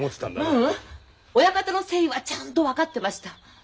ううん親方の誠意はちゃんと分かってました。